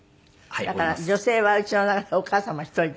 だから女性はうちの中でお母様１人だった？